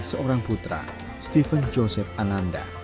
seorang putra stephen joseph ananda